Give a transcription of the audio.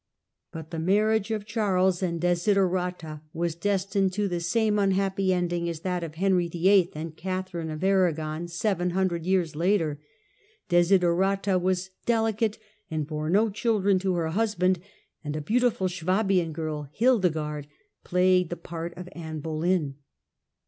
But the marriage of Charles and Desiderata was destined to the same unhappy ending as that of Henry VIII. and Catherine of Arragon seven hundred years later. Desiderata was delicate and bore no child to her husband, and a beautiful Suabian girl, Hildegarde, played the part of Anne Boleyn.